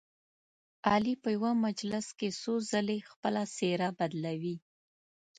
علي په یوه مجلس کې څو ځلې خپله څهره بدلوي.